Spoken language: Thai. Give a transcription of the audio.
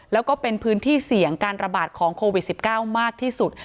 แล้วก็เป็นพื้นที่เสี่ยงการระบาดของโควิด๑๙มากที่สุด